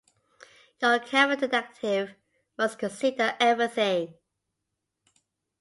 Your careful detective must consider everything.